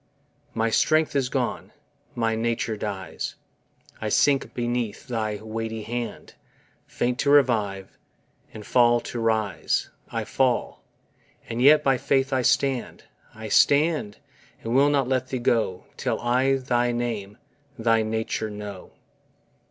My strength is gone, my nature dies, I sink beneath thy weighty hand, Faint to revive, and fall to rise; I fall, and yet by faith I stand, I stand, and will not let Thee go, Till I thy name, thy nature know.